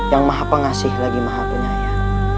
yang maha pengasih lagi maha penyayang